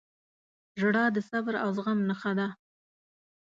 • ژړا د صبر او زغم نښه ده.